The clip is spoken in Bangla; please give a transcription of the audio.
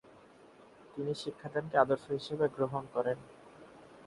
তিনি শিক্ষাদানকে আদর্শ হিসাবে গ্রহণ করেন।